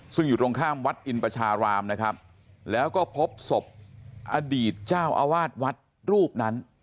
ซึ่งอยู่ตรงข้ามวัดอินประชารามนะครับแล้วก็พบศพอดีตเจ้าอาวาสวัดรูปนั้น